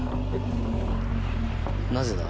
なぜだ？